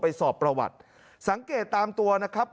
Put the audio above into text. สอบประวัติสังเกตตามตัวนะครับ